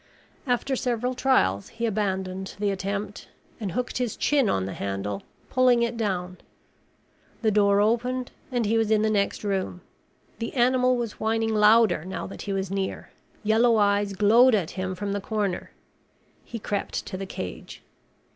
After several trials, he abandoned the attempt and hooked his chin on the handle, pulling it down. The door opened and he was in the next room. The animal was whining louder now that he was near. Yellow eyes glowed at him from the corner. He crept to the cage.